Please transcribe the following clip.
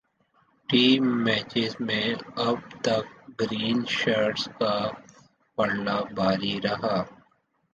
T matches میں اب تک گرین شرٹس کا پلڑا بھاری رہا